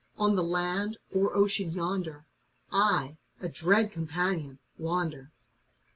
On the land, or ocean yonder, I, a dread companion, wander.